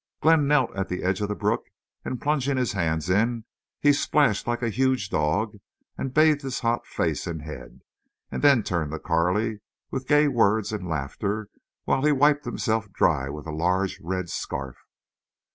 Glenn knelt at the edge of the brook, and, plunging his hands in, he splashed like a huge dog and bathed his hot face and head, and then turned to Carley with gay words and laughter, while he wiped himself dry with a large red scarf.